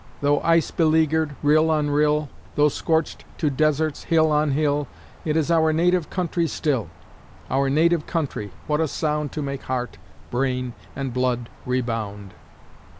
Though ice beleaguered, rill on rill, Though scorched to deserts, hill on hill It is our native country still. Our native country, what a sound To make heart, brain, and blood rebound!